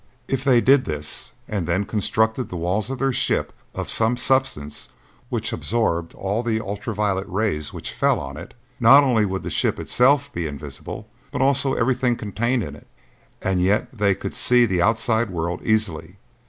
If they did this and then constructed the walls of their ship of some substance which absorbed all the ultra violet rays which fell on it; not only would the ship itself be invisible, but also everything contained in it and yet they could see the outside world easily.